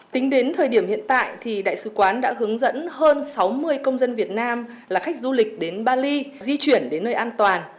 tính đến thời điểm hiện tại thì đại sứ quán đã hướng dẫn hơn sáu mươi công dân việt nam là khách du lịch đến bali di chuyển đến nơi an toàn